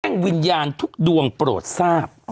วิญญาณทุกดวงโปรดทราบ